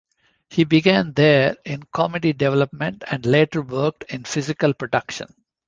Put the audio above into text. He began there in comedy development and later worked in physical production.